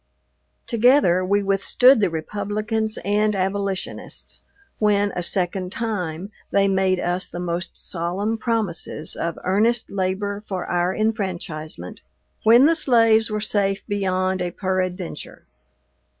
Together we withstood the Republicans and abolitionists, when, a second time, they made us the most solemn promises of earnest labor for our enfranchisement, when the slaves were safe beyond a peradventure.